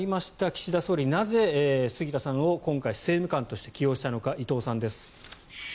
岸田総理はなぜ杉田さんを今回政務官として起用したのか伊藤さんです。